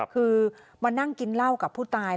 คือมานั่งกินเหล้ากับผู้ตาย